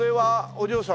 お嬢様。